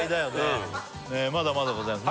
うんまだまだございます